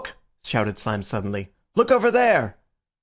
shouted Syme suddenly. "Look over there!"